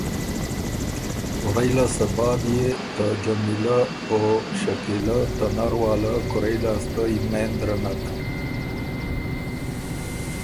ورئ لاسته بعد يې ته جمیلۀ او شکیلۀ ته نر واله کورئ لاسته یمېند درنک